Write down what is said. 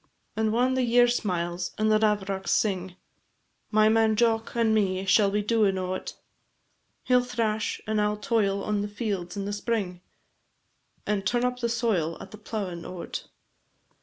And whan the year smiles, and the lavrocks sing, My man Jock and me shall be doin' o't; He 'll thrash, and I 'll toil on the fields in the spring, And turn up the soil at the plowin' o't.